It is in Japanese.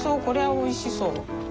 これはおいしそう。